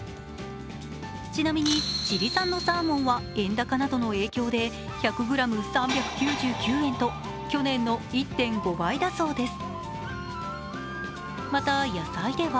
ちなみにチリ産のサーモンは円高などの影響で１００ｇ３９９円と去年の１．５倍だそうです。